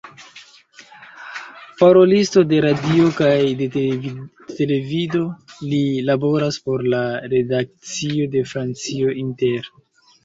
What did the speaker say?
Parolisto de radio kaj de televido, li laboras por la redakcio de Francio Inter.